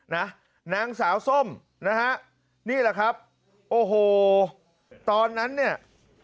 นางสาวส้มนะฮะนี่แหละครับโอ้โหตอนนั้นเนี่ย